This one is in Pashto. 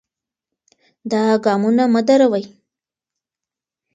دا ګامونه مه دروئ.